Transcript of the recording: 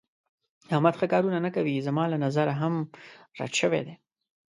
احمد ښه کارونه نه کوي. زما له نظره هم رټ شوی دی.